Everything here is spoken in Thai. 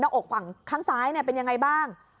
อกฝั่งข้างซ้ายเป็นยังไงบ้าง